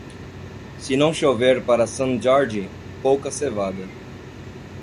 Se não chover para Sant Jordi, pouca cevada.